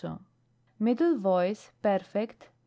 Middle Voice. Present.